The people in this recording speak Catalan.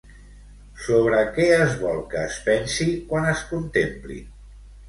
Sobre què es vol que es pensi quan es contemplin?